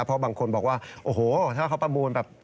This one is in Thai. เพราะบางคนบอกว่าโอ้โหถ้าเขาประมูลแบบ